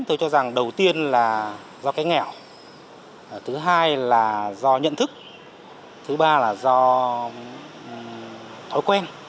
tôi cho rằng đầu tiên là do cái nghèo thứ hai là do nhận thức thứ ba là do thói quen